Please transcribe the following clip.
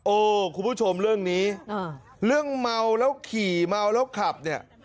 คุณผู้ชมเรื่องนี้เรื่องเมาแล้วขี่เมาแล้วขับเนี่ย